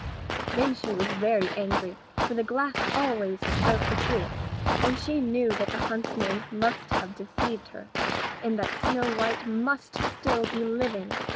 Then she was very angry, for the glass always spoke the truth, and she knew that the huntsman must have deceived her, and that Snow white must still be living.